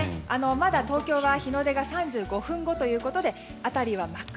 まだ東京は日の出が３５分後ということで辺りは真っ暗。